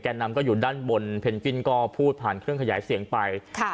นำก็อยู่ด้านบนเพนกวินก็พูดผ่านเครื่องขยายเสียงไปค่ะ